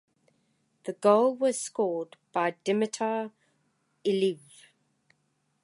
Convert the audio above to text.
The goal was scored by Dimitar Iliev.